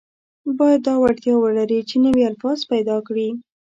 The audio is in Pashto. باید دا وړتیا ولري چې نوي الفاظ پیدا کړي.